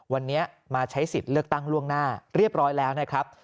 วันนี้มาใช้สิทธิ์เลือกตั้งล่วงหน้าเรียบร้อยแล้วนะครับ